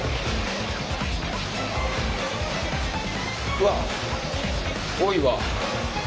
うわっ多いわ。